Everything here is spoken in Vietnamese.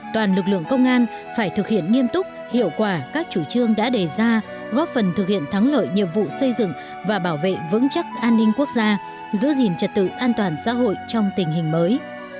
toàn lực lượng công an phải thực hiện nghiêm túc hiệu quả các chủ trương đã đề ra góp phần thực hiện thắng lợi nhiệm vụ xây dựng và bảo vệ vững chắc an ninh quốc gia giữ gìn trật tự an toàn xã hội trong tình hình mới